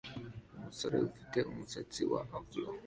Umusore ufite umusatsi wa afro